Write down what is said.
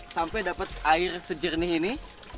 sampai dapat air sejernih ini